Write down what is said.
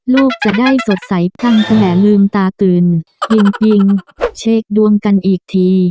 โลกจะได้สดใสตั้งแต่ลืมตาตื่นปิ้งเชกดวงกันอีกที